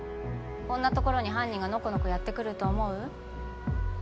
こんなところに犯人がノコノコやって来ると思う？